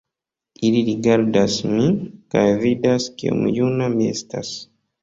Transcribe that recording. Ili rigardas min, kaj vidas kiom juna mi estas.